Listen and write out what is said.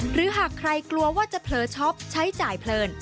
หรือหากใครกลัวว่าจะเผลอช็อปใช้จ่ายเพลิน